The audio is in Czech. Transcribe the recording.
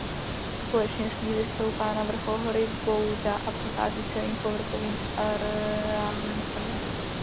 Společně s ní vystoupá na vrchol hory Bouda a prochází celým povrchovým areálem tvrze.